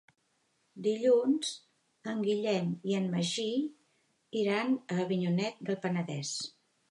Dilluns en Guillem i en Magí iran a Avinyonet del Penedès.